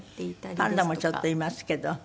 パンダもちょっといますけど。